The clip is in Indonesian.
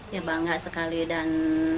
ya bangga sekali dan